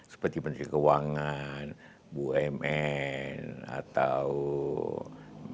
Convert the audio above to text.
seperti menteri keuangan bumn atau pemerintah